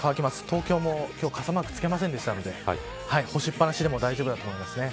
東京も今日、傘マークつけませんでしたので干しっぱなしでも大丈夫だと思います。